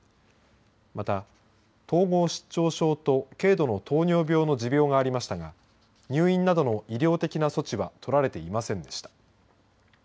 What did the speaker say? また、統合失調症と軽度の糖尿病の持病がありましたが入院などの医療的な措置は取られていませんでした。